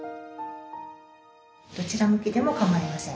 どちら向きでも構いません。